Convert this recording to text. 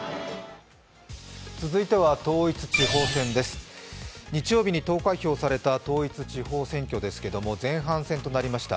続いては統一地方選です、日曜日に投開票された統一地方選挙ですけど、前半戦となりました。